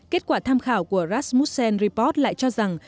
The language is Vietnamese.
kết quả tham khảo của rasmutsen report lại cho rằng